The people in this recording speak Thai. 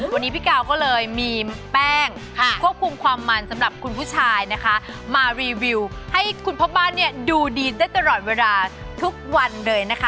วันนี้พี่กาวก็เลยมีแป้งควบคุมความมันสำหรับคุณผู้ชายนะคะมารีวิวให้คุณพ่อบ้านเนี่ยดูดีได้ตลอดเวลาทุกวันเลยนะคะ